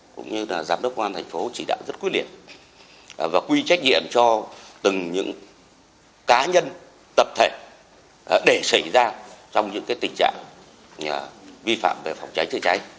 công an tp chỉ đạo rất quyết liệt và quy trách nhiệm cho từng những cá nhân tập thể để xảy ra trong những tình trạng vi phạm về phòng cháy chữa cháy